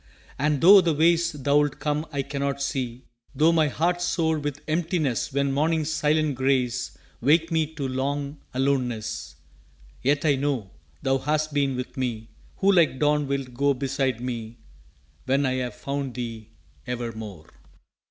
And tho' the ways Thou'lt come I cannot see; tho' my heart's sore With emptiness when morning's silent grays Wake me to long aloneness; yet I know Thou hast been with me, who like dawn wilt go Beside me, when I have found thee, evermore!